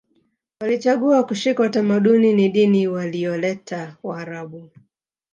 Walichagua kushika utamaduni ni dini walioleta waarabu